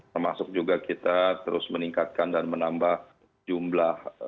termasuk juga kita terus meningkatkan dan menambah jumlah